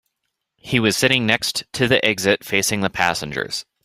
He was sitting next to the exit, facing the passengers.